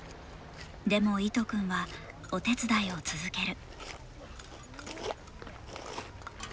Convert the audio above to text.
でも、いと君はお手伝いを続ける。